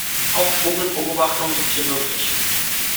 Auch Vogelbeobachtung ist hier möglich.